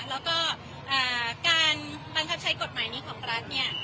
แล้วก็การบังคับใช้กฎหมายนี้ของรัฐเนี่ย